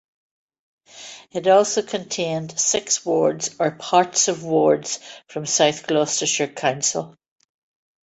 It also contained six wards or parts of wards from South Gloucestershire Council.